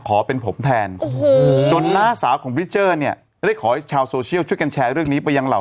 ขอเป็นผมแทนโอ้โหจนหน้าสาวของเนี่ยได้ขอให้ชาวช่วยกันแชร์เรื่องนี้ไปยังเหล่า